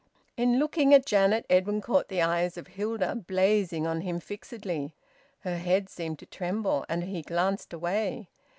In looking at Janet, Edwin caught the eyes of Hilda blazing on him fixedly. Her head seemed to tremble, and he glanced away.